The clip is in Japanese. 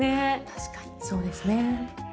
確かにそうですね。